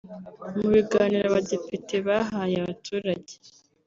Mu biganiro abadepite bahaye abaturage